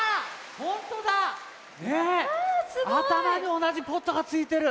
あたまにおなじポットがついてる。